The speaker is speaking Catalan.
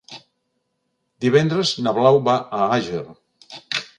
Divendres na Blau va a Àger.